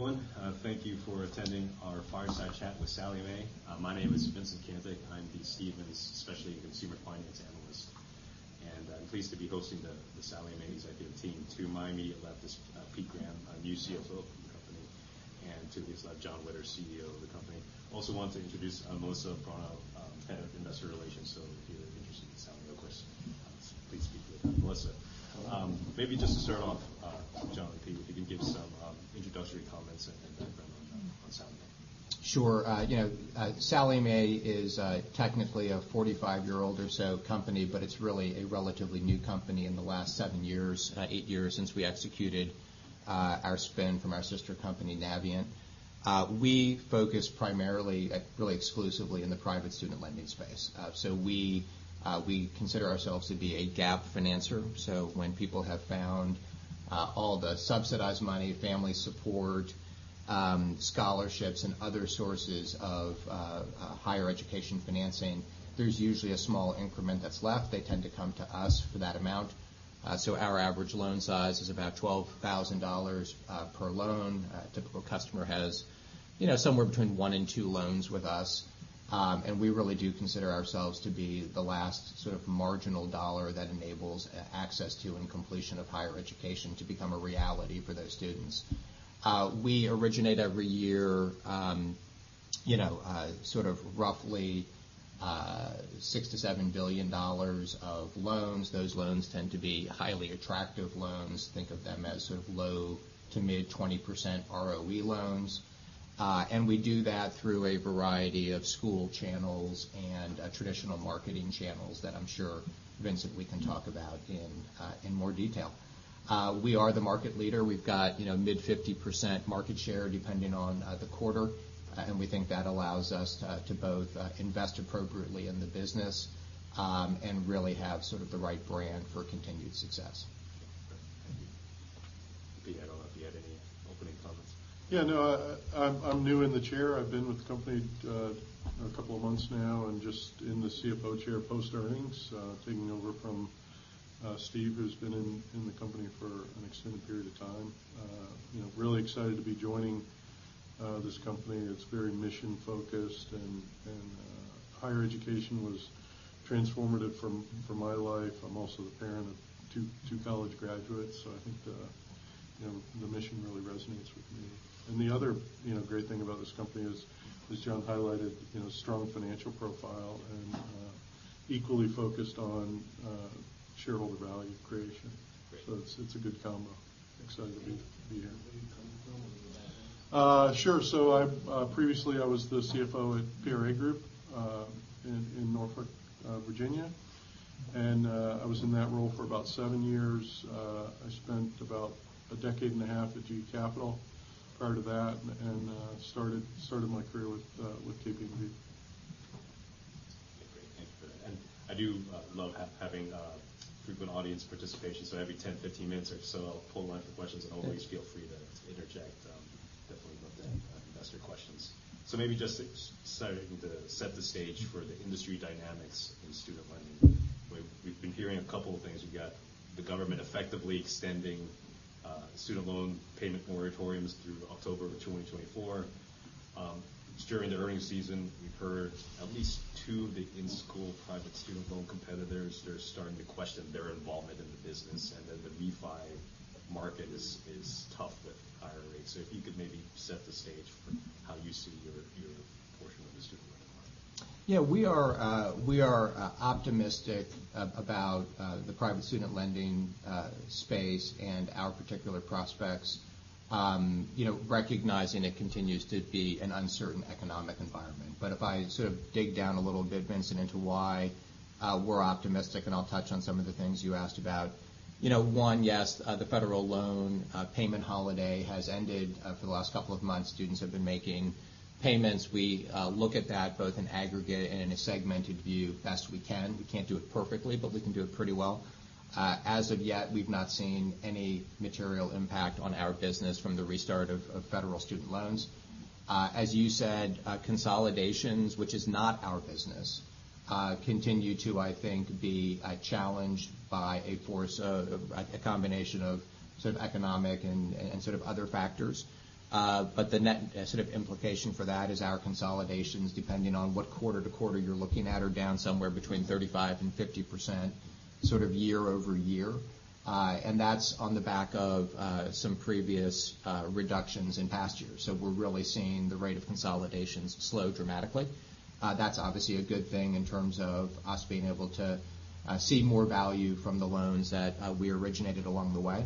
Everyone, thank you for attending our Fireside Chat with Sallie Mae. My name is Vincent Caintic. I'm Stephens, Specialty Consumer Finance Analyst, and I'm pleased to be hosting the Sallie Mae executive team. To my immediate left is Pete Graham, our new CFO of the company, and to his left, Jon Witter, CEO of the company. I also want to introduce Melissa Bronaugh, Head of Investor Relations. So if you're interested in Sallie Mae, of course, please speak with Melissa. Maybe just to start off, Jon and Pete, if you could give some introductory comments and background on Sallie Mae. Sure. You know, Sallie Mae is technically a 45-year-old or so company, but it's really a relatively new company in the last seven years, eight years since we executed our spin from our sister company, Navient. We focus primarily, really exclusively in the private student lending space. So we, we consider ourselves to be a gap financer. So when people have found all the subsidized money, family support, scholarships, and other sources of higher education financing, there's usually a small increment that's left. They tend to come to us for that amount. So our average loan size is about $12,000 per loan. A typical customer has, you know, somewhere between 1 and 2 loans with us. And we really do consider ourselves to be the last sort of marginal dollar that enables access to and completion of higher education to become a reality for those students. We originate every year, you know, sort of roughly $6 billion-$7 billion of loans. Those loans tend to be highly attractive loans. Think of them as sort of low- to mid-20% ROE loans. And we do that through a variety of school channels and traditional marketing channels that I'm sure, Vincent, we can talk about in more detail. We are the market leader. We've got, you know, mid-50% market share, depending on the quarter. And we think that allows us to both invest appropriately in the business and really have sort of the right brand for continued success. Great. Thank you. Pete, I don't know if you had any opening comments. Yeah, no, I'm new in the chair. I've been with the company a couple of months now, and just in the CFO chair post-earnings, taking over from Steve, who's been in the company for an extended period of time. You know, really excited to be joining this company. It's very mission-focused, and higher education was transformative for my life. I'm also the parent of two college graduates, so I think you know, the mission really resonates with me. And the other great thing about this company is, as Jon highlighted, you know, strong financial profile and equally focused on shareholder value creation. Great. So it's a good combo. Excited to be here. Where were you coming from when you were- Sure. So I've previously I was the CFO at PRA Group in Norfolk, Virginia, and I was in that role for about seven years. I spent about a decade and a half at GE Capital prior to that, and started my career with KPMG. Okay, great. Thank you for that. I do love having frequent audience participation, so every 10, 15 minutes or so, I'll pull one for questions. Always feel free to interject. Definitely love the investor questions. So maybe just starting to set the stage for the industry dynamics in student lending. We've been hearing a couple of things. We've got the government effectively extending student loan payment moratoriums through October of 2024. During the earnings season, we've heard at least two of the in-school private student loan competitors, they're starting to question their involvement in the business, and then the refi market is tough with higher rates. So if you could maybe set the stage for how you see your portion of the student loan market. Yeah, we are optimistic about the private student lending space and our particular prospects. You know, recognizing it continues to be an uncertain economic environment. But if I sort of dig down a little bit, Vincent, into why we're optimistic, and I'll touch on some of the things you asked about. You know, one, yes, the federal loan payment holiday has ended. For the last couple of months, students have been making payments. We look at that both in aggregate and in a segmented view best we can. We can't do it perfectly, but we can do it pretty well. As of yet, we've not seen any material impact on our business from the restart of federal student loans. As you said, consolidations, which is not our business, continue to, I think, be challenged by a force of a combination of sort of economic and, and sort of other factors. But the net, sort of implication for that is our consolidations, depending on what quarter to quarter you're looking at, are down somewhere between 35%-50%, sort of year-over-year. And that's on the back of some previous reductions in past years. So we're really seeing the rate of consolidations slow dramatically. That's obviously a good thing in terms of us being able to see more value from the loans that we originated along the way.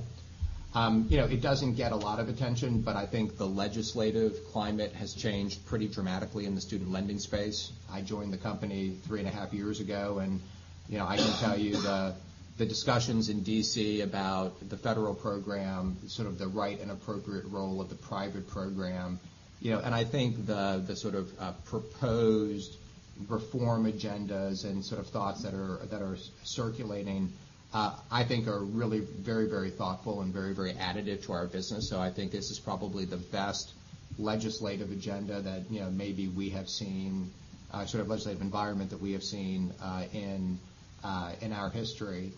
You know, it doesn't get a lot of attention, but I think the legislative climate has changed pretty dramatically in the student lending space. I joined the company 3.5 years ago and, you know, I can tell you the discussions in D.C. about the federal program, sort of the right and appropriate role of the private program. You know, and I think the sort of proposed reform agendas and sort of thoughts that are circulating, I think are really very, very thoughtful and very, very additive to our business. So I think this is probably the best legislative agenda that, you know, maybe we have seen, sort of legislative environment that we have seen in our history.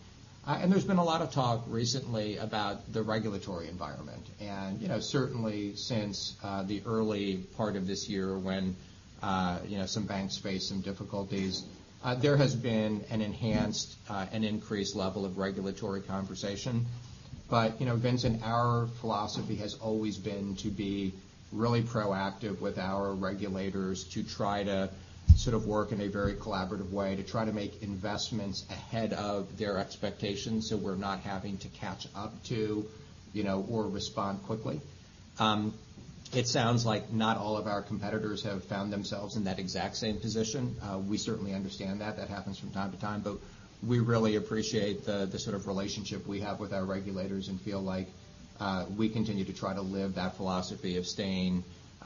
And there's been a lot of talk recently about the regulatory environment. You know, certainly since the early part of this year, when you know, some banks faced some difficulties, there has been an enhanced and increased level of regulatory conversation. You know, Vincent, our philosophy has always been to be really proactive with our regulators, to try to sort of work in a very collaborative way, to try to make investments ahead of their expectations, so we're not having to catch up to, you know, or respond quickly. It sounds like not all of our competitors have found themselves in that exact same position. We certainly understand that. That happens from time to time, but we really appreciate the sort of relationship we have with our regulators and feel like we continue to try to live that philosophy of staying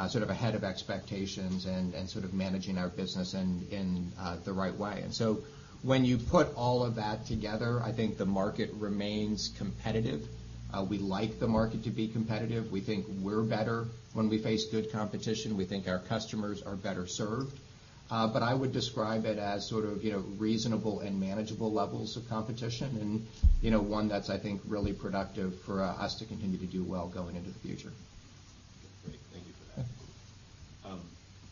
sort of ahead of expectations and sort of managing our business in the right way. And so when you put all of that together, I think the market remains competitive. We like the market to be competitive. We think we're better when we face good competition. We think our customers are better served. But I would describe it as sort of, you know, reasonable and manageable levels of competition and, you know, one that's, I think, really productive for us to continue to do well going into the future. Great, thank you for that.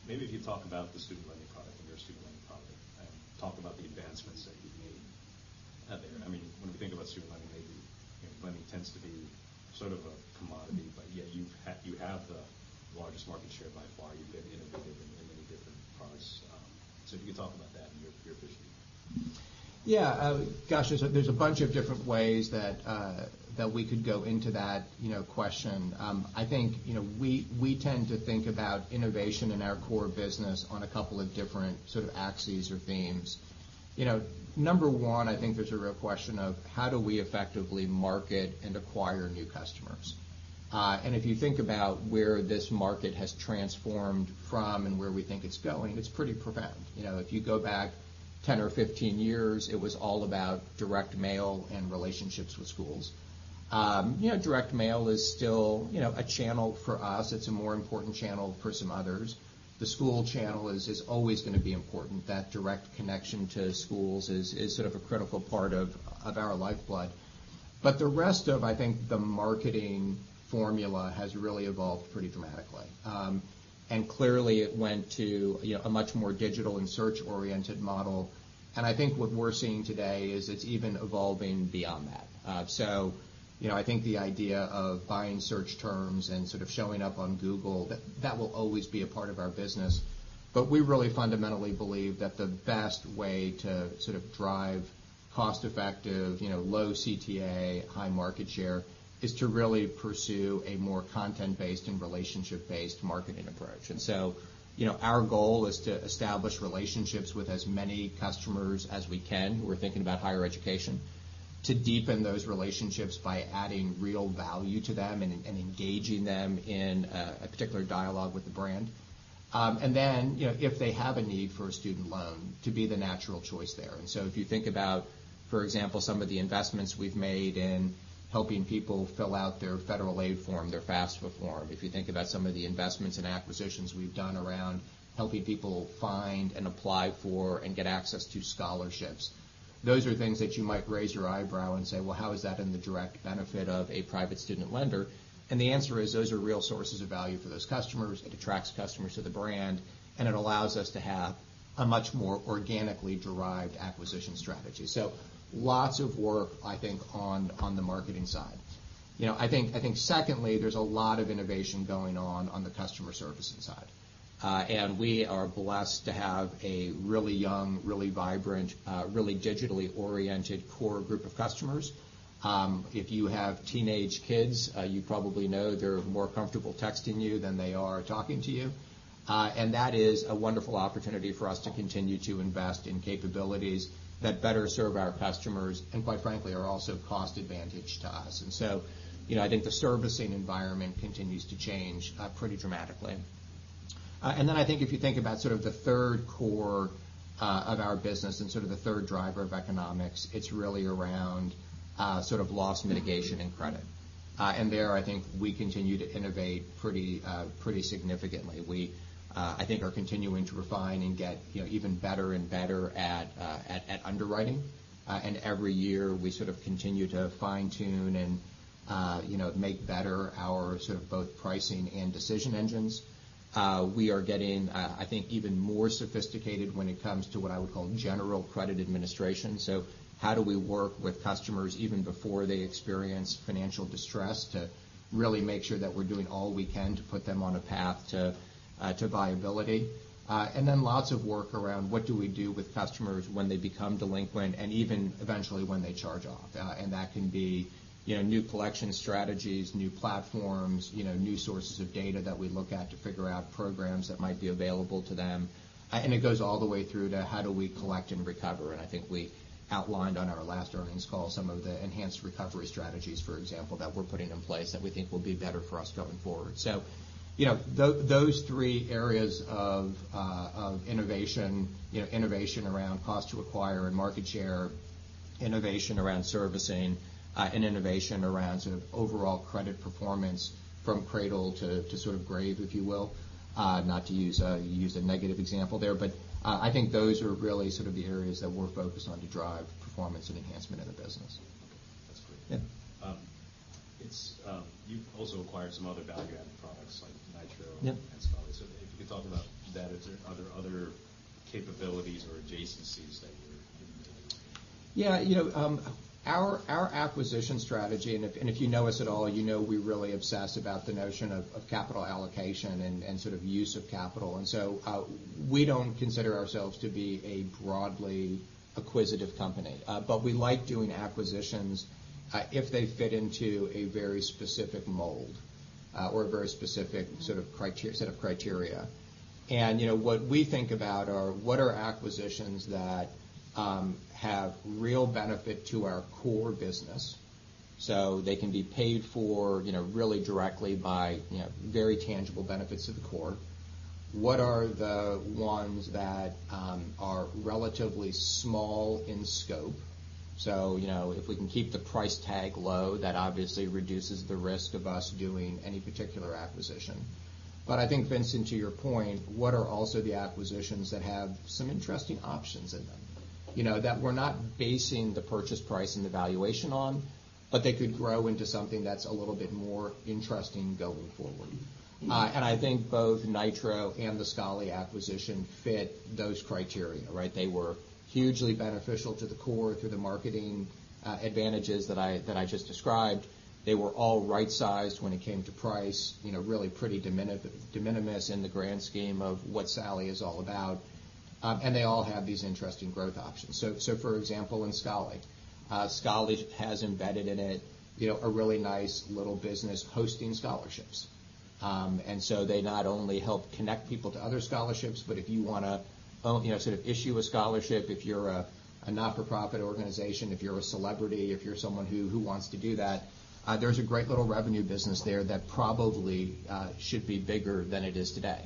Maybe if you talk about the student lending product and your student lending product, and talk about the advancements that you've made out there. I mean, when we think about student lending, maybe, you know, lending tends to be sort of a commodity, but yet you have the largest market share by far. You've been innovative in many different products. So if you could talk about that and your vision. Yeah, gosh, there's a bunch of different ways that we could go into that, you know, question. I think, you know, we tend to think about innovation in our core business on a couple of different sort of axes or themes. You know, number one, I think there's a real question of how do we effectively market and acquire new customers? And if you think about where this market has transformed from and where we think it's going, it's pretty profound. You know, if you go back 10 or 15 years, it was all about direct mail and relationships with schools. You know, direct mail is still, you know, a channel for us. It's a more important channel for some others. The school channel is always gonna be important. That direct connection to schools is sort of a critical part of our lifeblood. But the rest of, I think, the marketing formula has really evolved pretty dramatically. And clearly, it went to, you know, a much more digital and search-oriented model, and I think what we're seeing today is it's even evolving beyond that. So you know, I think the idea of buying search terms and sort of showing up on Google, that will always be a part of our business, but we really fundamentally believe that the best way to sort of drive cost-effective, you know, low CTA, high market share, is to really pursue a more content-based and relationship-based marketing approach. you know, our goal is to establish relationships with as many customers as we can, we're thinking about higher education, to deepen those relationships by adding real value to them and engaging them in a particular dialogue with the brand. you know, if they have a need for a student loan, to be the natural choice there. And so if you think about, for example, some of the investments we've made in helping people fill out their federal aid form, their FAFSA form, if you think about some of the investments and acquisitions we've done around helping people find and apply for and get access to scholarships, those are things that you might raise your eyebrow and say, "Well, how is that in the direct benefit of a private student lender?" And the answer is, those are real sources of value for those customers; it attracts customers to the brand, and it allows us to have a much more organically derived acquisition strategy. So lots of work, I think, on the marketing side. You know, I think, I think secondly, there's a lot of innovation going on on the customer servicing side. And we are blessed to have a really young, really vibrant, really digitally-oriented core group of customers. If you have teenage kids, you probably know they're more comfortable texting you than they are talking to you. And that is a wonderful opportunity for us to continue to invest in capabilities that better serve our customers, and quite frankly, are also cost advantage to us. And so, you know, I think the servicing environment continues to change pretty dramatically. And then I think if you think about sort of the third core of our business and sort of the third driver of economics, it's really around sort of loss mitigation and credit. And there, I think we continue to innovate pretty, pretty significantly. We, I think are continuing to refine and get, you know, even better and better at, at underwriting. And every year, we sort of continue to fine-tune and, you know, make better our sort of both pricing and decision engines. We are getting, I think, even more sophisticated when it comes to what I would call general credit administration. So how do we work with customers even before they experience financial distress, to really make sure that we're doing all we can to put them on a path to, to viability? And then lots of work around what do we do with customers when they become delinquent, and even eventually when they charge off. And that can be, you know, new collection strategies, new platforms, you know, new sources of data that we look at to figure out programs that might be available to them. And it goes all the way through to how do we collect and recover? And I think we outlined on our last earnings call some of the enhanced recovery strategies, for example, that we're putting in place that we think will be better for us going forward. So, you know, those three areas of innovation, you know, innovation around cost to acquire and market share, innovation around servicing, and innovation around sort of overall credit performance from cradle to sort of grave, if you will. Not to use a negative example there, but I think those are really sort of the areas that we're focused on to drive performance and enhancement of the business. That's great. Yeah. It's... You've also acquired some other value-added products like Nitro- Yeah and Scholly. So if you could talk about that, are there other, other capabilities or adjacencies that you're looking to do? Yeah, you know, our acquisition strategy, if you know us at all, you know we really obsess about the notion of capital allocation and sort of use of capital. And so, we don't consider ourselves to be a broadly acquisitive company, but we like doing acquisitions, if they fit into a very specific mold, or a very specific sort of set of criteria. And, you know, what we think about are, what are acquisitions that have real benefit to our core business? So they can be paid for, you know, really directly by, you know, very tangible benefits to the core. What are the ones that are relatively small in scope? So, you know, if we can keep the price tag low, that obviously reduces the risk of us doing any particular acquisition. But I think, Vincent, to your point, what are also the acquisitions that have some interesting options in them? You know, that we're not basing the purchase price and the valuation on, but they could grow into something that's a little bit more interesting going forward. I think both Nitro and the Scholly acquisition fit those criteria, right? They were hugely beneficial to the core through the marketing advantages that I just described. They were all right-sized when it came to price, you know, really pretty de minimis in the grand scheme of what Sallie is all about. They all have these interesting growth options. For example, in Scholly, Scholly has embedded in it, you know, a really nice little business hosting scholarships. And so they not only help connect people to other scholarships, but if you wanna own, you know, sort of issue a scholarship, if you're a not-for-profit organization, if you're a celebrity, if you're someone who wants to do that, there's a great little revenue business there that probably should be bigger than it is today.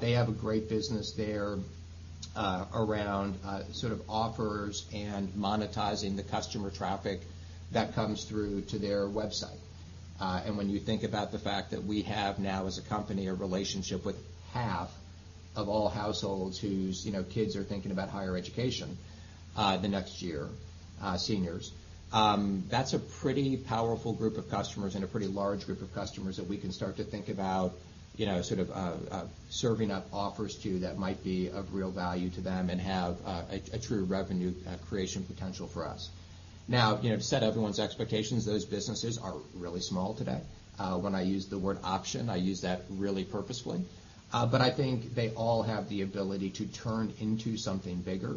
They have a great business there around sort of offers and monetizing the customer traffic that comes through to their website. And when you think about the fact that we have now, as a company, a relationship with half of all households whose, you know, kids are thinking about higher education, the next year, seniors, that's a pretty powerful group of customers and a pretty large group of customers that we can start to think about, you know, sort of, serving up offers to, that might be of real value to them and have a true revenue creation potential for us. Now, you know, to set everyone's expectations, those businesses are really small today. When I use the word option, I use that really purposefully. But I think they all have the ability to turn into something bigger.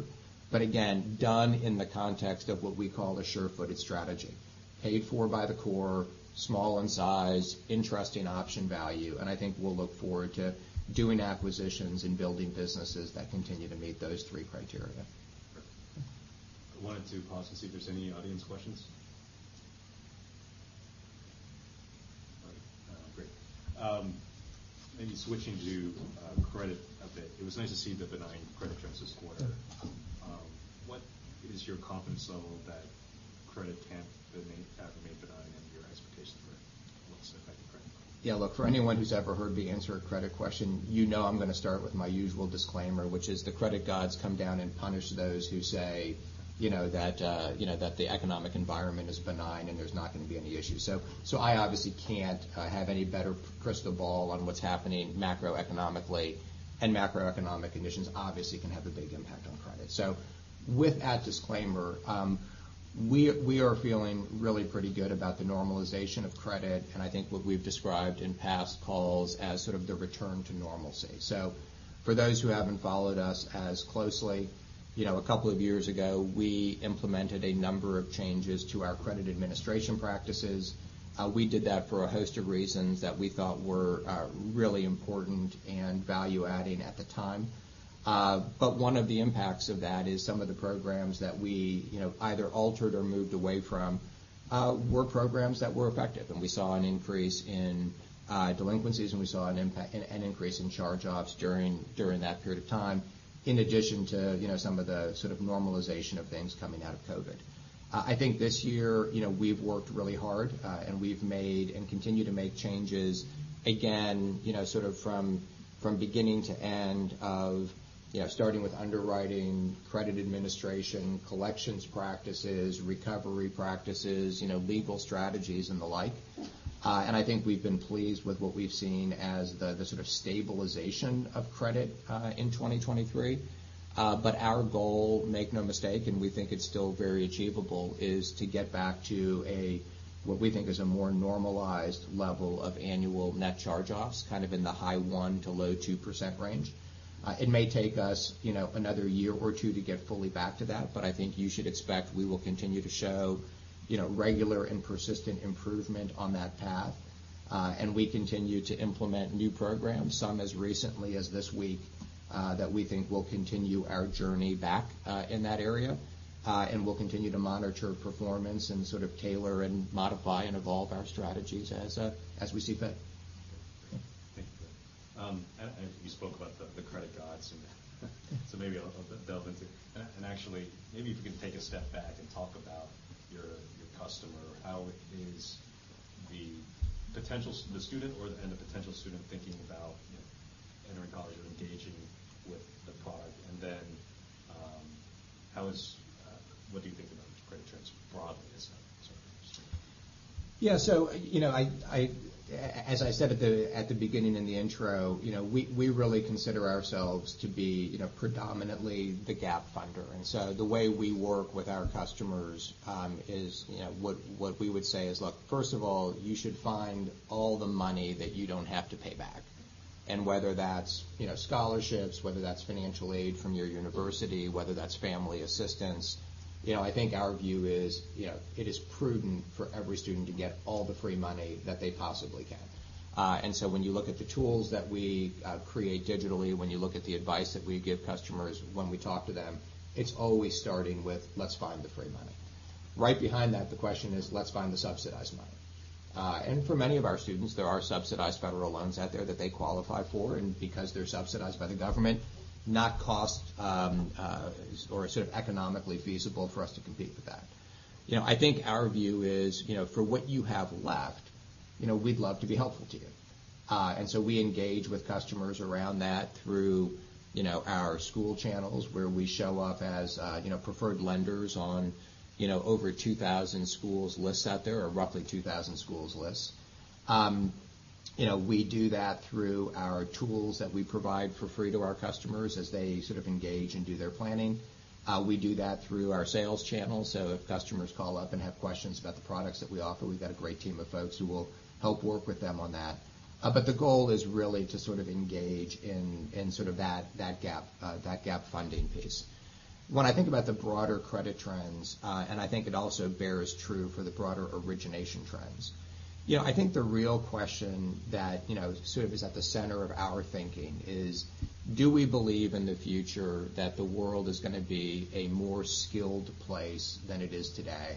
But again, done in the context of what we call a sure-footed strategy, paid for by the core, small in size, interesting option value, and I think we'll look forward to doing acquisitions and building businesses that continue to meet those three criteria. Perfect. Yeah. I wanted to pause to see if there's any audience questions. All right. Great. Maybe switching to credit a bit. It was nice to see the benign credit trends this quarter. What is your confidence level that credit can't remain benign, and your expectations for what's affecting credit? Yeah, look, for anyone who's ever heard me answer a credit question, you know I'm gonna start with my usual disclaimer, which is the credit gods come down and punish those who say, you know, that, you know, that the economic environment is benign and there's not gonna be any issue. So, I obviously can't have any better crystal ball on what's happening macroeconomically, and macroeconomic conditions obviously can have a big impact on credit. So with that disclaimer, we are feeling really pretty good about the normalization of credit, and I think what we've described in past calls as sort of the return to normalcy. So for those who haven't followed us as closely, you know, a couple of years ago, we implemented a number of changes to our credit administration practices. We did that for a host of reasons that we thought were, really important and value-adding at the time. But one of the impacts of that is some of the programs that we, you know, either altered or moved away from, were programs that were effective, and we saw an increase in, delinquencies, and we saw an increase in charge-offs during that period of time, in addition to, you know, some of the sort of normalization of things coming out of COVID. I think this year, you know, we've worked really hard, and we've made and continue to make changes again, you know, sort of from beginning to end of... You know, starting with underwriting, credit administration, collections practices, recovery practices, you know, legal strategies and the like. I think we've been pleased with what we've seen as the sort of stabilization of credit in 2023. But our goal, make no mistake, and we think it's still very achievable, is to get back to what we think is a more normalized level of annual net charge-offs, kind of in the high 1%-low 2% range. It may take us, you know, another year or two to get fully back to that, but I think you should expect we will continue to show, you know, regular and persistent improvement on that path. We continue to implement new programs, some as recently as this week, that we think will continue our journey back in that area. And we'll continue to monitor performance and sort of tailor and modify and evolve our strategies as we see fit. And you spoke about the credit gods, and so maybe I'll delve into—and actually, maybe if you can take a step back and talk about your customer. How is the potential student or, and the potential student thinking about, you know, entering college or engaging with the product? And then, how is—what do you think about credit trends broadly as sort of interested? Yeah. So, you know, as I said at the beginning in the intro, you know, we really consider ourselves to be, you know, predominantly the gap funder. And so the way we work with our customers is, you know, what we would say is, "Look, first of all, you should find all the money that you don't have to pay back." And whether that's, you know, scholarships, whether that's financial aid from your university, whether that's family assistance, you know, I think our view is, you know, it is prudent for every student to get all the free money that they possibly can. And so when you look at the tools that we create digitally, when you look at the advice that we give customers when we talk to them, it's always starting with, "Let's find the free money." Right behind that, the question is, "Let's find the subsidized money." And for many of our students, there are subsidized federal loans out there that they qualify for, and because they're subsidized by the government, not cost, or sort of economically feasible for us to compete with that. You know, I think our view is, you know, for what you have left, you know, we'd love to be helpful to you. And so we engage with customers around that through, you know, our school channels, where we show up as, you know, preferred lenders on, you know, over 2,000 schools' lists out there, or roughly 2,000 schools' lists. You know, we do that through our tools that we provide for free to our customers as they sort of engage and do their planning. We do that through our sales channels. So if customers call up and have questions about the products that we offer, we've got a great team of folks who will help work with them on that. But the goal is really to sort of engage in, in sort of that, that gap, that gap funding piece. When I think about the broader credit trends, and I think it also bears true for the broader origination trends, you know, I think the real question that, you know, sort of is at the center of our thinking is: Do we believe in the future that the world is gonna be a more skilled place than it is today,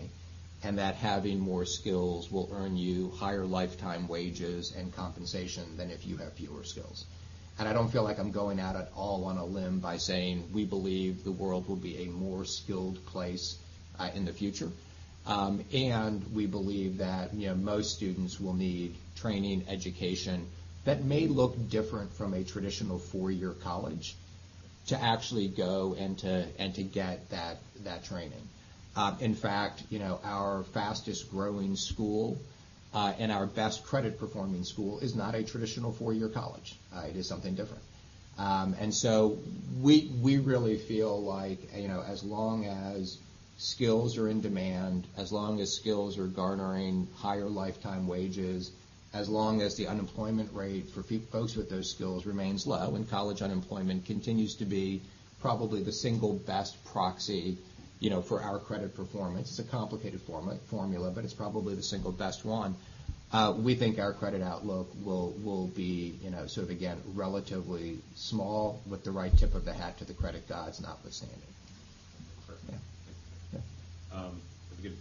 and that having more skills will earn you higher lifetime wages and compensation than if you have fewer skills? I don't feel like I'm going out at all on a limb by saying we believe the world will be a more skilled place, in the future. And we believe that, you know, most students will need training, education, that may look different from a traditional four-year college, to actually go and to, and to get that, that training. In fact, you know, our fastest-growing school, and our best credit-performing school is not a traditional four-year college. It is something different. And so we, we really feel like, you know, as long as skills are in demand, as long as skills are garnering higher lifetime wages, as long as the unemployment rate for folks with those skills remains low, and college unemployment continues to be probably the single best proxy, you know, for our credit performance. It's a complicated formula, but it's probably the single best one. We think our credit outlook will, will be, you know, sort of, again, relatively small with the right tip of the hat to the credit gods, notwithstanding. Perfect. Yeah. Yeah. If you could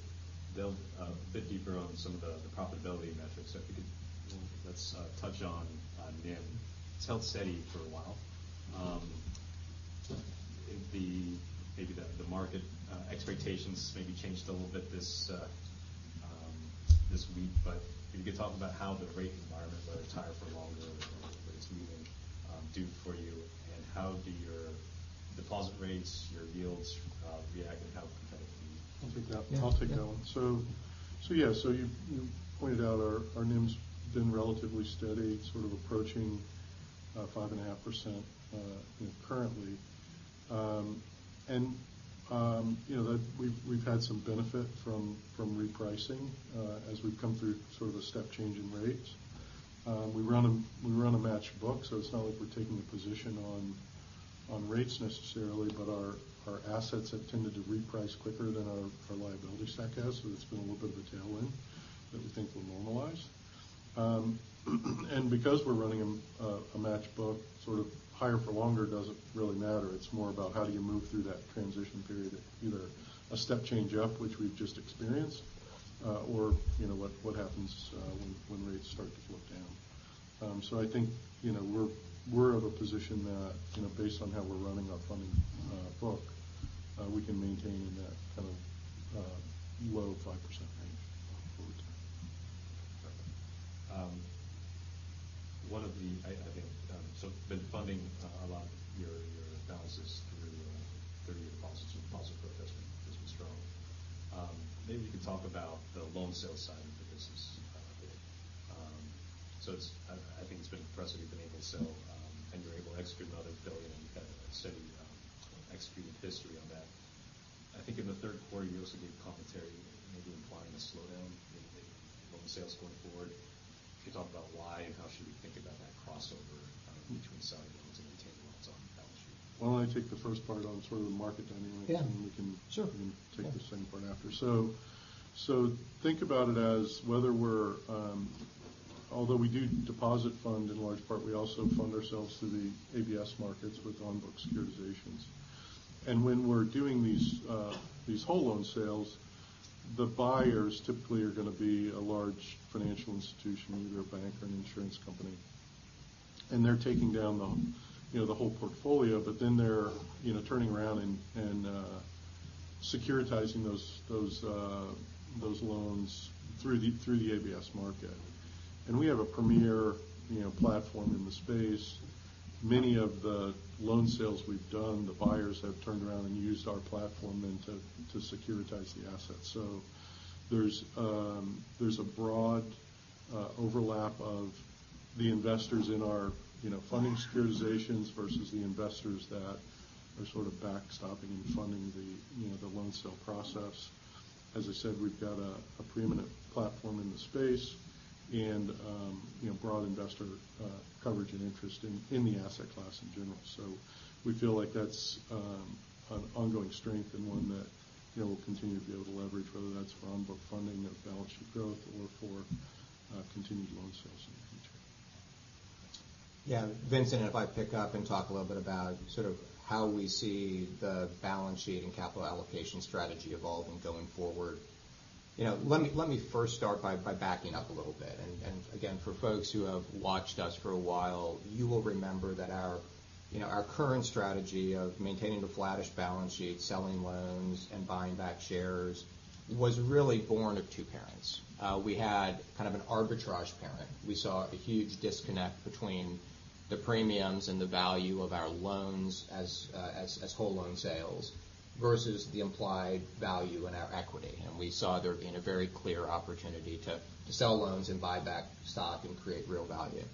delve a bit deeper on some of the profitability metrics. If you could, let's touch on NIM. It's held steady for a while. Maybe the market expectations maybe changed a little bit this week. But if you could talk about how the rate environment, whether it's higher for longer or whether it's even due for you, and how do your deposit rates, your yields react, and how competitive are you? I'll take that. Yeah. I'll take that one. So yeah, you pointed out our NIM's been relatively steady, sort of approaching 5.5%, you know, currently. And you know that we've had some benefit from repricing as we've come through sort of a step change in rates. We run a match book, so it's not like we're taking a position on rates necessarily, but our assets have tended to reprice quicker than our liability stack has, so it's been a little bit of a tailwind that we think will normalize. And because we're running a match book, sort of higher for longer doesn't really matter. It's more about how do you move through that transition period at either a step change up, which we've just experienced, or, you know, what happens when rates start to float down. So I think, you know, we're of a position that, you know, based on how we're running our funding book, we can maintain that kind of low 5% range going forward. One of the... I think, so you've been funding a lot of your balances through your deposits. Your deposit growth has been strong. Maybe you could talk about the loan sales side of the business a bit. So it's-- I think it's been impressive you've been able to sell, and you're able to execute another $1 billion. You've had a steady sort of executing history on that. I think in the third quarter, you also gave commentary, maybe implying a slowdown, maybe in loan sales going forward. If you could talk about why, and how should we think about that crossover between selling loans and retaining loans on the balance sheet? Why don't I take the first part on sort of the market dynamics- Yeah. and you can Sure. You can take the second part after. So think about it as whether we're, although we do deposit fund, in large part, we also fund ourselves through the ABS markets with on-book securitizations. And when we're doing these, these whole loan sales, the buyers typically are going to be a large financial institution, either a bank or an insurance company. And they're taking down the, you know, the whole portfolio, but then they're, you know, turning around and securitizing those, those loans through the, through the ABS market. And we have a premier, you know, platform in the space. Many of the loan sales we've done, the buyers have turned around and used our platform and to securitize the assets. So there's a broad overlap of the investors in our, you know, funding securitizations versus the investors that are sort of backstopping and funding the, you know, the loan sale process. As I said, we've got a preeminent platform in the space and, you know, broad investor coverage and interest in the asset class in general. So we feel like that's an ongoing strength and one that, you know, we'll continue to be able to leverage, whether that's for on-book funding of balance sheet growth or for continued loan sales in the future. Yeah. Vincent, and if I pick up and talk a little bit about sort of how we see the balance sheet and capital allocation strategy evolving going forward. You know, let me first start by backing up a little bit. And again, for folks who have watched us for a while, you will remember that our, you know, our current strategy of maintaining a flattish balance sheet, selling loans, and buying back shares was really born of two parents. We had kind of an arbitrage parent. We saw a huge disconnect between the premiums and the value of our loans as whole loan sales versus the implied value in our equity. And we saw there being a very clear opportunity to sell loans and buy back stock and create real value.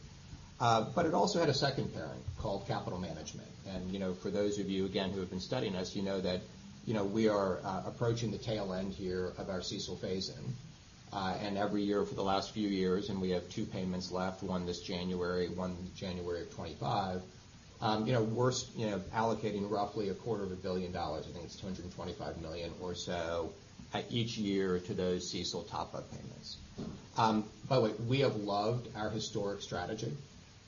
But it also had a second parent called capital management. And, you know, for those of you, again, who have been studying us, you know that, you know, we are approaching the tail end here of our CECL phase-in. And every year for the last few years, and we have two payments left, one this January, one January of 2025, you know, we're, you know, allocating roughly a quarter of a billion dollars, I think it's $225 million or so, at each year to those CECL top-up payments. By the way, we have loved our historic strategy.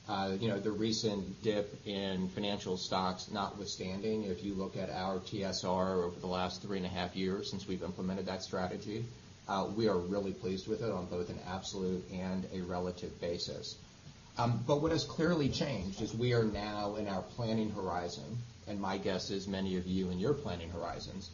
You know, the recent dip in financial stocks notwithstanding, if you look at our TSR over the last three and a half years since we've implemented that strategy, we are really pleased with it on both an absolute and a relative basis. But what has clearly changed is we are now in our planning horizon, and my guess is many of you in your planning horizons,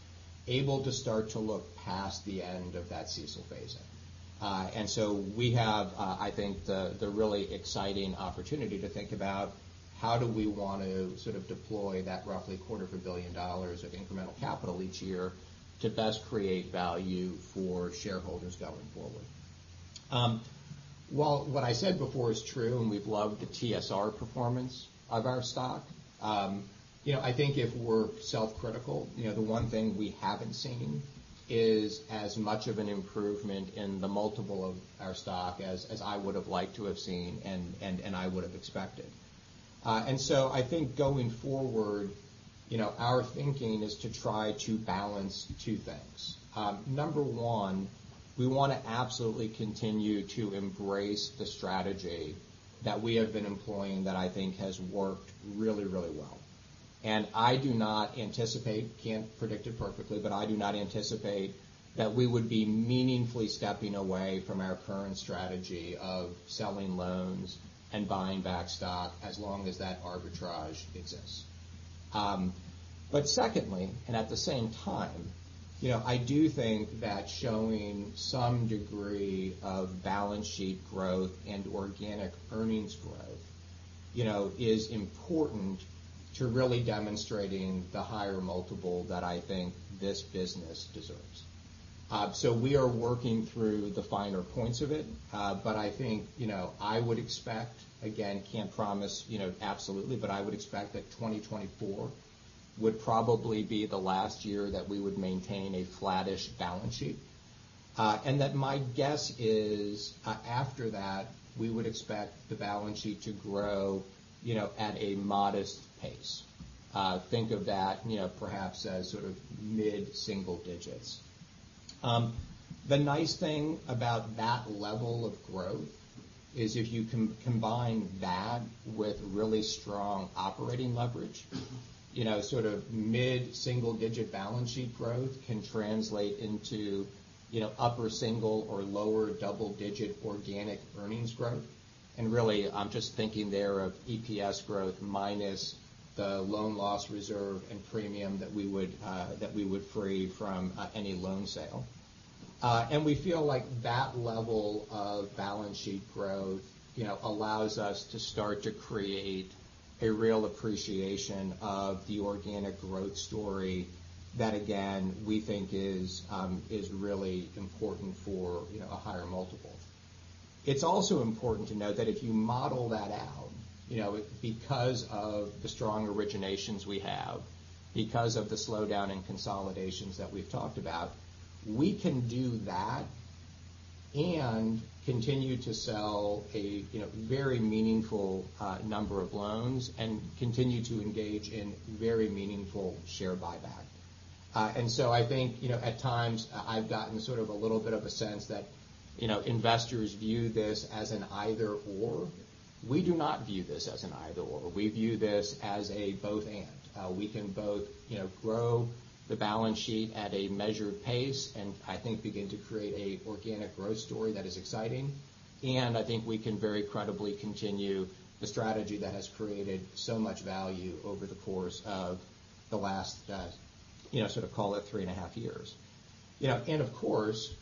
able to start to look past the end of that CECL phase-in. And so we have, I think the really exciting opportunity to think about how do we want to sort of deploy that roughly $250 million of incremental capital each year to best create value for shareholders going forward. While what I said before is true, and we've loved the TSR performance of our stock, you know, I think if we're self-critical, you know, the one thing we haven't seen is as much of an improvement in the multiple of our stock as I would have liked to have seen and I would have expected. And so I think going forward, you know, our thinking is to try to balance two things. Number one, we want to absolutely continue to embrace the strategy that we have been employing, that I think has worked really, really well. I do not anticipate, can't predict it perfectly, but I do not anticipate that we would be meaningfully stepping away from our current strategy of selling loans and buying back stock as long as that arbitrage exists. But secondly, and at the same time, you know, I do think that showing some degree of balance sheet growth and organic earnings growth, you know, is important to really demonstrating the higher multiple that I think this business deserves. So we are working through the finer points of it, but I think, you know, I would expect, again, can't promise, you know, absolutely, but I would expect that 2024 would probably be the last year that we would maintain a flattish balance sheet. And that my guess is, after that, we would expect the balance sheet to grow, you know, at a modest pace. Think of that, you know, perhaps as sort of mid-single digits. The nice thing about that level of growth is if you combine that with really strong operating leverage, you know, sort of mid-single-digit balance sheet growth can translate into, you know, upper single or lower double-digit organic earnings growth. Really, I'm just thinking there of EPS growth minus the loan loss reserve and premium that we would free from any loan sale. We feel like that level of balance sheet growth, you know, allows us to start to create a real appreciation of the organic growth story that, again, we think is really important for, you know, a higher multiple. It's also important to note that if you model that out, you know, because of the strong originations we have, because of the slowdown in consolidations that we've talked about, we can do that and continue to sell a, you know, very meaningful number of loans and continue to engage in very meaningful share buyback. and so I think, you know, at times I've gotten sort of a little bit of a sense that, you know, investors view this as an either/or. We do not view this as an either/or. We view this as a both/and. We can both, you know, grow the balance sheet at a measured pace, and I think begin to create an organic growth story that is exciting. And I think we can very credibly continue the strategy that has created so much value over the course of the last, you know, sort of call it three and a half years. You know, and of course,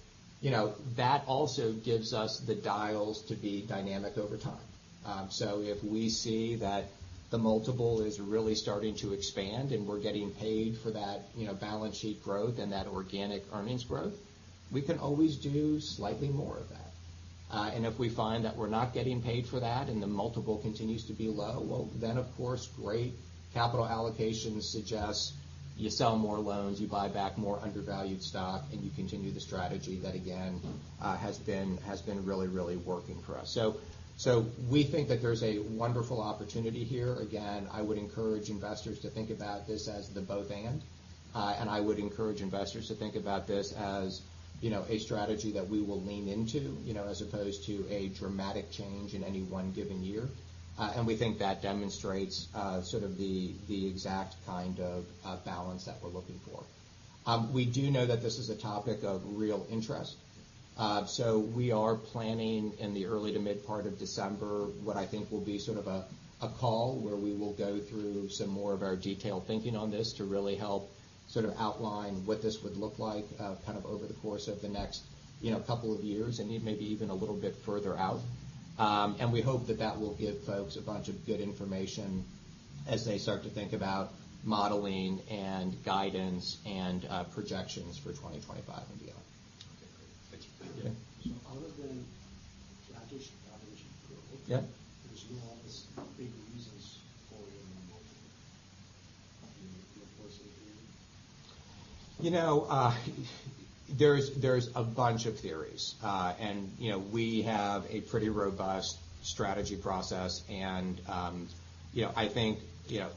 you know, that also gives us the dials to be dynamic over time. So if we see that the multiple is really starting to expand and we're getting paid for that, you know, balance sheet growth and that organic earnings growth, we can always do slightly more of that. And if we find that we're not getting paid for that, and the multiple continues to be low, well, then, of course, great capital allocation suggests you sell more loans, you buy back more undervalued stock, and you continue the strategy that, again, has been, has been really, really working for us. So, so we think that there's a wonderful opportunity here. Again, I would encourage investors to think about this as the both/and. And I would encourage investors to think about this as, you know, a strategy that we will lean into, you know, as opposed to a dramatic change in any one given year. We think that demonstrates sort of the exact kind of balance that we're looking for. We do know that this is a topic of real interest, so we are planning in the early to mid part of December, what I think will be sort of a call, where we will go through some more of our detailed thinking on this to really help sort of outline what this would look like, kind of over the course of the next, you know, couple of years, and maybe even a little bit further out. We hope that that will give folks a bunch of good information as they start to think about modeling and guidance and projections for 2025 and beyond. Okay, great. Thank you. Yeah. Other than graduation growth- Yeah. There's no obvious big reasons for your multiple, I mean, your course of doing? You know, there's a bunch of theories. You know, we have a pretty robust strategy process and, you know, I think, you know,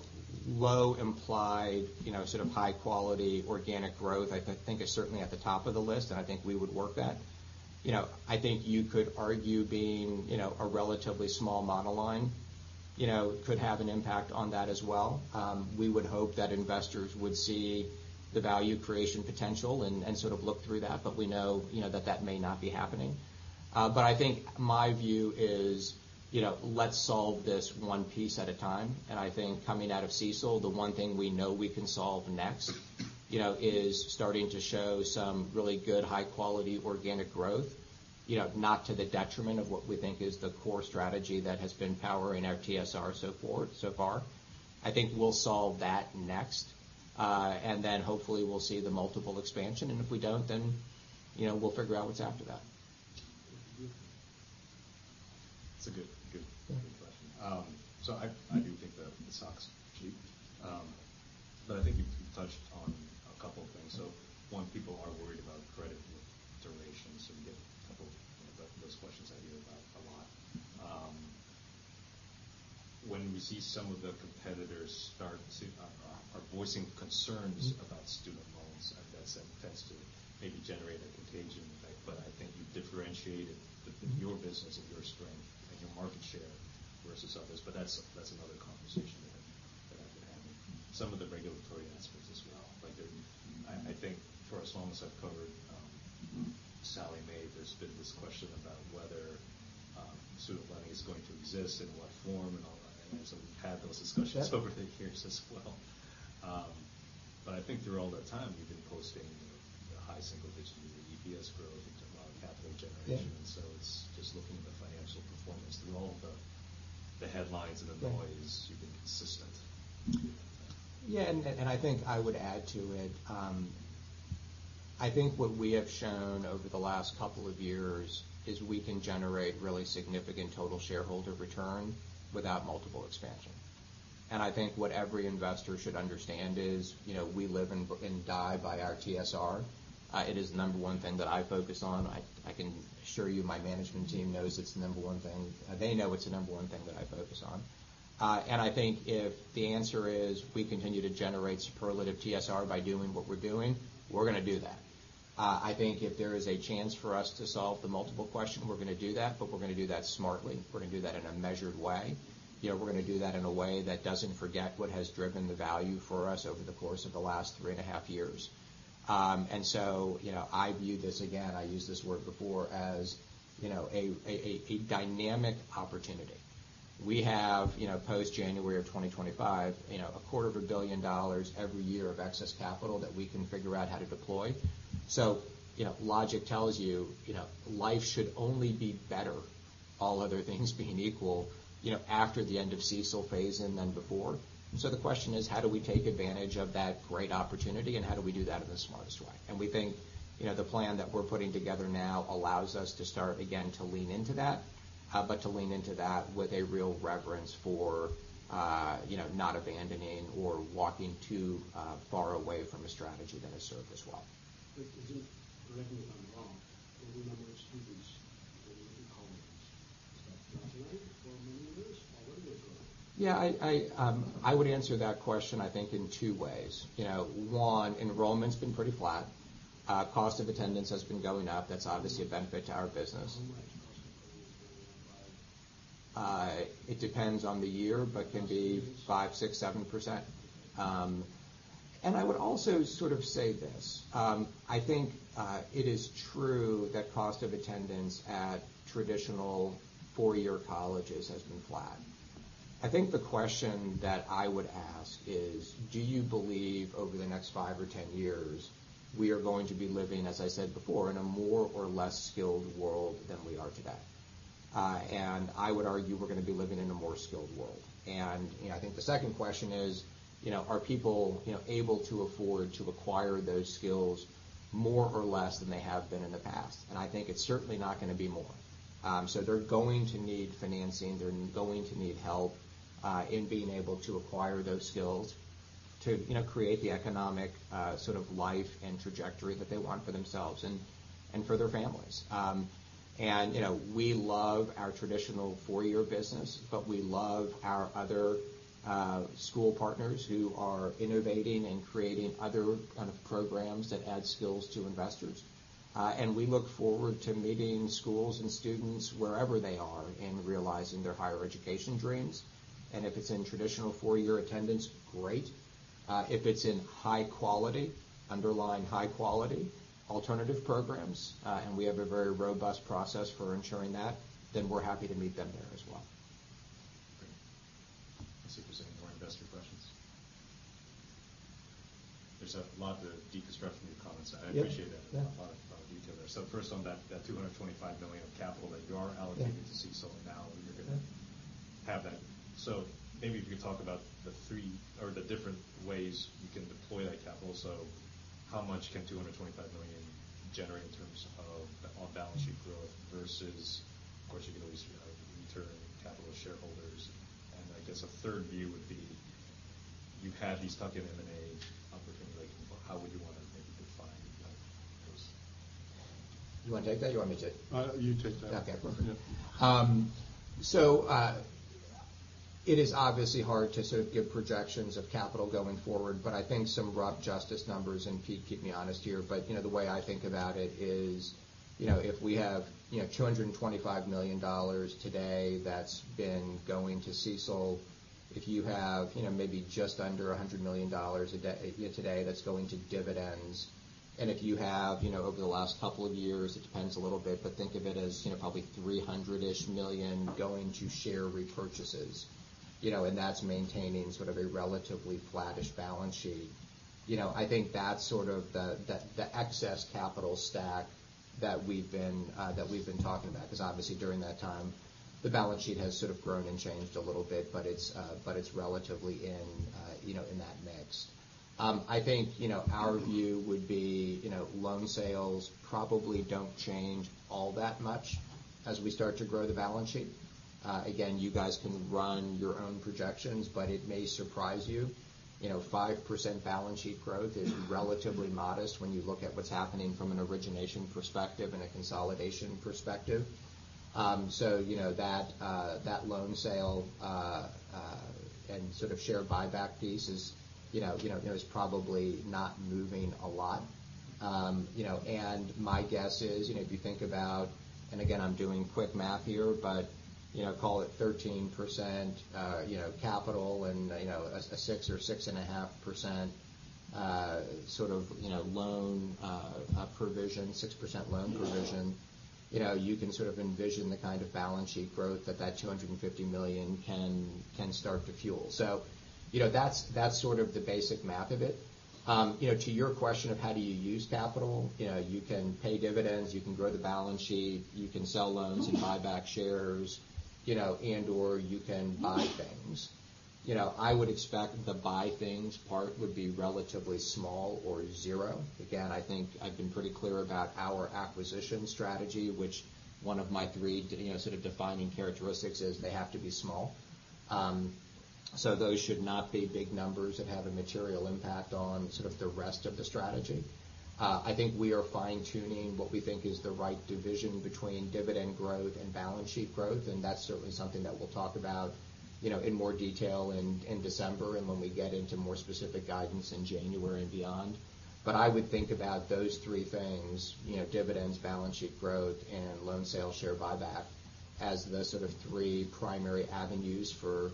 low implied, you know, sort of high quality, organic growth, I think is certainly at the top of the list, and I think we would work that. You know, I think you could argue being, you know, a relatively small model line, you know, could have an impact on that as well. We would hope that investors would see the value creation potential and sort of look through that, but we know, you know, that may not be happening. But I think my view is, you know, let's solve this one piece at a time. I think coming out of CECL, the one thing we know we can solve next, you know, is starting to show some really good, high-quality, organic growth, you know, not to the detriment of what we think is the core strategy that has been powering our TSR so far, so far. I think we'll solve that next, and then hopefully we'll see the multiple expansion, and if we don't, then, you know, we'll figure out what's after that. That's a good, good, good question. So I do think the stocks are cheap. But I think you touched on a couple of things. So one, people are worried about credit with duration, so we get a couple of those questions I hear about a lot. When we see some of the competitors start to are voicing concerns about student loans, that tends to maybe generate a contagion effect, but I think you differentiated in your business and your strength and your market share versus others. But that's another conversation that I've been having. Some of the regulatory aspects as well, like there I think for as long as I've covered Sallie Mae, there's been this question about whether student lending is going to exist, in what form, and all that. And so we've had those discussions over the years as well. But I think through all that time, you've been posting a high single-digit EPS growth and a lot of capital generation. Yeah. And so it's just looking at the financial performance through all of the headlines and the noise- Yeah. - You've been consistent. Yeah, and I think I would add to it. I think what we have shown over the last couple of years is we can generate really significant total shareholder return without multiple expansion. And I think what every investor should understand is, you know, we live and die by our TSR. It is the number one thing that I focus on. I can assure you, my management team knows it's the number one thing that I focus on. They know it's the number one thing that I focus on. And I think if the answer is we continue to generate superlative TSR by doing what we're doing, we're going to do that. I think if there is a chance for us to solve the multiple question, we're going to do that, but we're going to do that smartly. We're going to do that in a measured way. You know, we're going to do that in a way that doesn't forget what has driven the value for us over the course of the last three and a half years. And so, you know, I view this, again, I used this word before, as, you know, a dynamic opportunity. We have, you know, post January of 2025, you know, $250 million every year of excess capital that we can figure out how to deploy. So, you know, logic tells you, you know, life should only be better, all other things being equal, you know, after the end of CECL phase in than before. So the question is: How do we take advantage of that great opportunity, and how do we do that in the smartest way? We think, you know, the plan that we're putting together now allows us to start again, to lean into that, but to lean into that with a real reverence for, you know, not abandoning or walking too far away from a strategy that has served us well. Just correct me if I'm wrong, but the number of students in college, is that right, or maybe more?... Yeah, I would answer that question I think in two ways. You know, one, enrollment's been pretty flat. Cost of attendance has been going up. That's obviously a benefit to our business. How much cost of attendance going up? It depends on the year, but can be- Last two years. 5, 6, 7%. And I would also sort of say this, I think, it is true that cost of attendance at traditional four-year colleges has been flat. I think the question that I would ask is: do you believe over the next five or 10 years, we are going to be living, as I said before, in a more or less skilled world than we are today? And I would argue we're gonna be living in a more skilled world. And, you know, I think the second question is, you know, are people, you know, able to afford to acquire those skills more or less than they have been in the past? And I think it's certainly not gonna be more. So they're going to need financing. They're going to need help in being able to acquire those skills to, you know, create the economic sort of life and trajectory that they want for themselves and, and for their families. And, you know, we love our traditional four-year business, but we love our other school partners who are innovating and creating other kind of programs that add skills to investors. And we look forward to meeting schools and students wherever they are in realizing their higher education dreams. And if it's in traditional four-year attendance, great. If it's in high quality, underlying high quality alternative programs, and we have a very robust process for ensuring that, then we're happy to meet them there as well. Great. Let's see if there's any more investor questions. There's a lot to deconstruct from your comments. Yep. I appreciate that. Yeah. A lot of, a lot of detail there. So first on that, that $225 million of capital that you are allocating- Yeah... to CECL now, and you're gonna- Yeah have that. So maybe if you could talk about the three or the different ways you can deploy that capital. So how much can $225 million generate in terms of on-balance sheet growth versus, of course, you could always, you know, return capital to shareholders. And I guess a third view would be, you have these tuck-in M&A opportunities. Like, how would you want to maybe define, like, those? You wanna take that, or you want me to take it? You take that. Okay, perfect. Yeah. So, it is obviously hard to sort of give projections of capital going forward, but I think some rough justice numbers, and, Pete, keep me honest here. But, you know, the way I think about it is, you know, if we have, you know, $225 million today, that's been going to CECL. If you have, you know, maybe just under $100 million today, that's going to dividends, and if you have, you know, over the last couple of years, it depends a little bit, but think of it as, you know, probably $300-ish million going to share repurchases. You know, and that's maintaining sort of a relatively flattish balance sheet. You know, I think that's sort of the excess capital stack that we've been talking about, 'cause obviously during that time, the balance sheet has sort of grown and changed a little bit, but it's relatively in, you know, in that mix. I think, you know, our view would be, you know, loan sales probably don't change all that much as we start to grow the balance sheet. Again, you guys can run your own projections, but it may surprise you. You know, 5% balance sheet growth is relatively modest when you look at what's happening from an origination perspective and a consolidation perspective. So you know, that loan sale and sort of share buyback piece is, you know, you know, there's probably not moving a lot. You know, and my guess is, you know, if you think about—and again, I'm doing quick math here, but, you know, call it 13%, you know, capital and, you know, a 6% or 6.5%, sort of, you know, loan provision, 6% loan provision. You know, you can sort of envision the kind of balance sheet growth that two hundred and fifty million can start to fuel. So, you know, that's sort of the basic math of it. You know, to your question of how do you use capital? You know, you can pay dividends, you can grow the balance sheet, you can sell loans and buy back shares, you know, and/or you can buy things. You know, I would expect the buy things part would be relatively small or zero. Again, I think I've been pretty clear about our acquisition strategy, which one of my three, you know, sort of defining characteristics is they have to be small. So those should not be big numbers that have a material impact on sort of the rest of the strategy. I think we are fine-tuning what we think is the right division between dividend growth and balance sheet growth, and that's certainly something that we'll talk about, you know, in more detail in December and when we get into more specific guidance in January and beyond. But I would think about those three things, you know, dividends, balance sheet growth, and loan sale, share buyback, as the sort of three primary avenues for,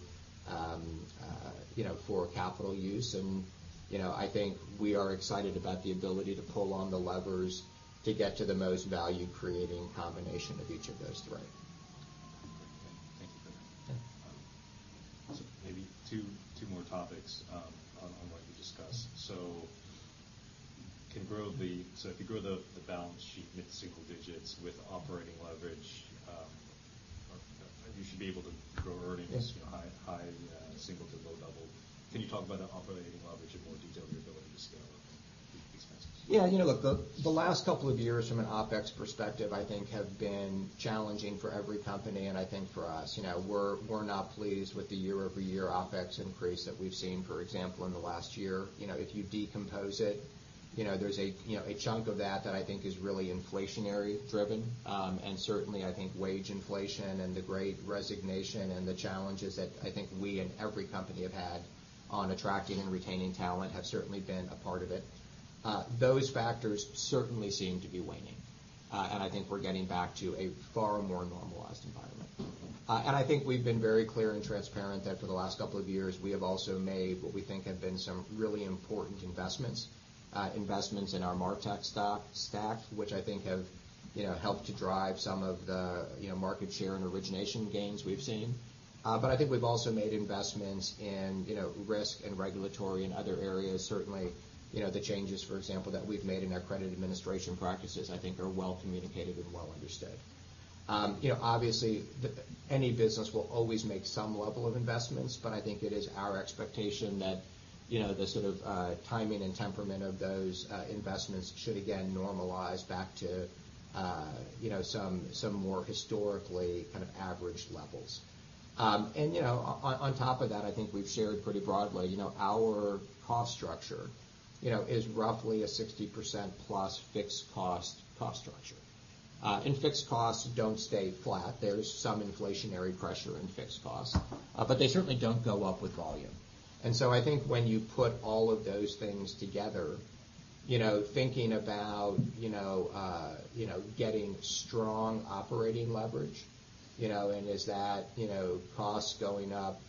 you know, for capital use. You know, I think we are excited about the ability to pull on the levers to get to the most value-creating combination of each of those three. Thank you for that. Yeah. So maybe two more topics on what you discussed. So if you grow the balance sheet mid-single digits with operating leverage, you should be able to grow earnings- Yeah... you know, high, high, single to low double. Can you talk about the operating leverage in more detail, your ability to scale up expenses? Yeah, you know, look, the last couple of years from an OpEx perspective, I think have been challenging for every company, and I think for us. You know, we're not pleased with the year-over-year OpEx increase that we've seen, for example, in the last year. You know, if you decompose it, you know, there's a chunk of that that I think is really inflationary driven. And certainly, I think wage inflation and the Great Resignation and the challenges that I think we and every company have had on attracting and retaining talent have certainly been a part of it. Those factors certainly seem to be waning. And I think we're getting back to a far more normalized environment. And I think we've been very clear and transparent that for the last couple of years, we have also made what we think have been some really important investments. Investments in our martech stack, which I think have, you know, helped to drive some of the, you know, market share and origination gains we've seen. But I think we've also made investments in, you know, risk and regulatory and other areas. Certainly, you know, the changes, for example, that we've made in our credit administration practices, I think are well communicated and well understood. You know, obviously, any business will always make some level of investments, but I think it is our expectation that, you know, the sort of, timing and temperament of those investments should again normalize back to, you know, some more historically kind of averaged levels. And, you know, on top of that, I think we've shared pretty broadly, you know, our cost structure, you know, is roughly a 60% plus fixed cost structure. And fixed costs don't stay flat. There's some inflationary pressure in fixed costs, but they certainly don't go up with volume. And so I think when you put all of those things together, you know, thinking about, you know, you know, getting strong operating leverage, you know, and is that, you know, costs going up,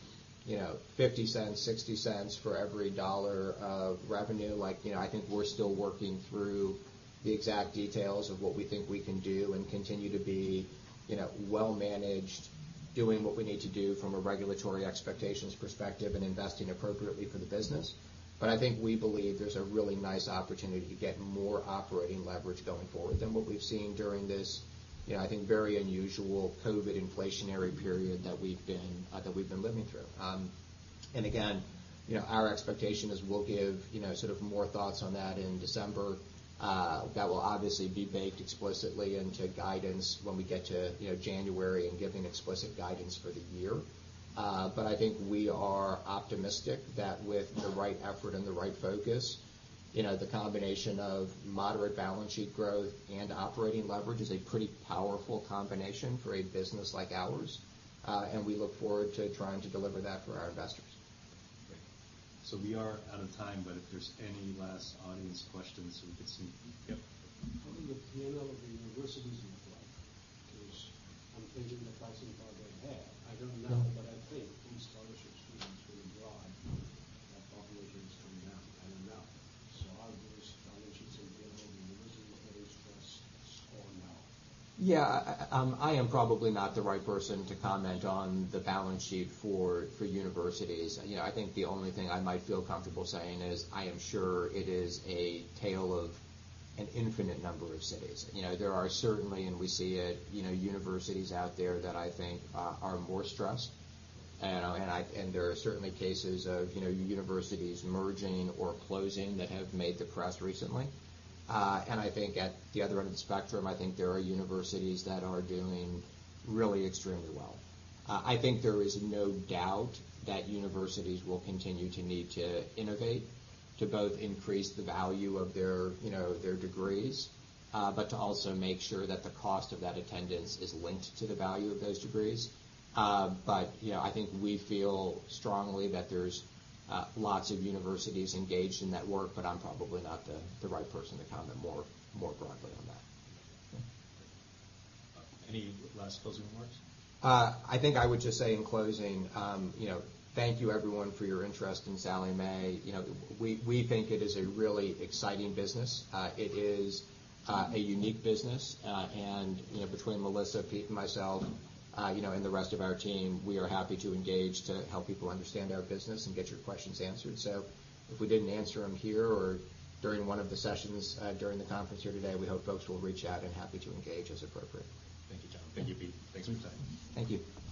you know, $0.50, $0.60 for every $1 of revenue? Like, you know, I think we're still working through the exact details of what we think we can do and continue to be, you know, well managed, doing what we need to do from a regulatory expectations perspective and investing appropriately for the business. But I think we believe there's a really nice opportunity to get more operating leverage going forward than what we've seen during this, you know, I think, very unusual COVID inflationary period that we've been, that we've been living through. And again, you know, our expectation is we'll give, you know, sort of more thoughts on that in December. That will obviously be baked explicitly into guidance when we get to, you know, January and giving explicit guidance for the year. But I think we are optimistic that with the right effort and the right focus, you know, the combination of moderate balance sheet growth and operating leverage is a pretty powerful combination for a business like ours. And we look forward to trying to deliver that for our investors. Great. So we are out of time, but if there's any last audience questions we could see? Yep. How did the P&L of the universities look like? Because I'm thinking the pricing power they have. I don't know, but I think these scholarships become pretty broad, that population is coming down, I don't know. So are those balance sheets available to universities that are stressed or no? Yeah. I am probably not the right person to comment on the balance sheet for universities. You know, I think the only thing I might feel comfortable saying is, I am sure it is a tale of an infinite number of cities. You know, there are certainly, and we see it, you know, universities out there that I think are more stressed. And there are certainly cases of, you know, universities merging or closing that have made the press recently. And I think at the other end of the spectrum, I think there are universities that are doing really extremely well. I think there is no doubt that universities will continue to need to innovate, to both increase the value of their, you know, their degrees, but to also make sure that the cost of that attendance is linked to the value of those degrees. But, you know, I think we feel strongly that there's lots of universities engaged in that work, but I'm probably not the right person to comment more broadly on that. Any last closing remarks? I think I would just say in closing, you know, thank you everyone for your interest in Sallie Mae. You know, we, we think it is a really exciting business. It is, a unique business. And, you know, between Melissa, Pete, and myself, you know, and the rest of our team, we are happy to engage to help people understand our business and get your questions answered. So if we didn't answer them here or during one of the sessions, during the conference here today, we hope folks will reach out, and happy to engage as appropriate. Thank you, Jon. Thank you, Pete. Thanks for your time. Thank you.